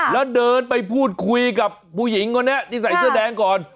แล้วเดินไปพูดคุยกับผู้หญิงคนนี้ที่ใส่เสื้อแดงก่อน